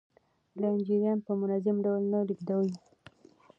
لین جریان په منظم ډول نه لیږدوي.